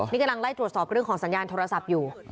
นี่กำลังไล่ตรวจสอบเรื่องของสัญญาณโทรศัพท์อยู่